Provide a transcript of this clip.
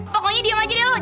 pokoknya diem aja deh